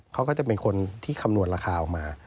เขาก็จะเป็นคนที่คำนวณราคาออกมา